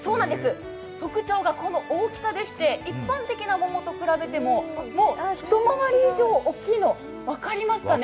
特徴がこの大きさでして一般的な桃と比べても、一回り以上大きいの分かりますかね？